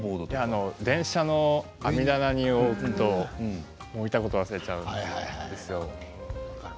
電車の網棚に置くと置いたこと忘れちゃうんですよ。